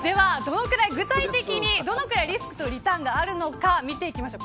具体的にどのくらいリスクとリターンがあるのか見ていきましょう。